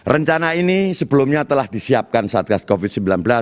rencana ini sebelumnya telah disiapkan saat gas covid sembilan belas